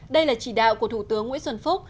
đây là chỉ đạo của thủ tướng nguyễn xuân phúc